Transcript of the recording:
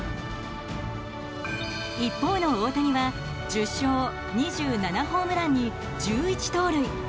一方の大谷は１０勝２７ホームランに１１盗塁。